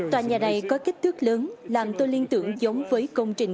tòa nhà này có kích thước lớn làm tôi liên tưởng giống với công trình